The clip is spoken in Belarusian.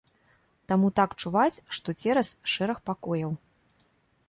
Таму так чуваць, што цераз шэраг пакояў.